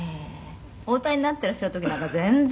「お歌いになっていらっしゃる時なんか全然」